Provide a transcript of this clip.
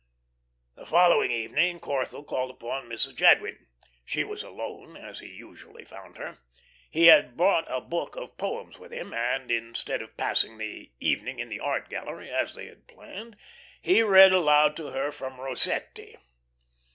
The following evening Corthell called upon Mrs. Jadwin. She was alone, as he usually found her. He had brought a book of poems with him, and instead of passing the evening in the art gallery, as they had planned, he read aloud to her from Rossetti.